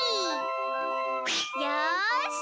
よし！